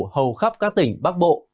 hầu khắp các tỉnh bắc bộ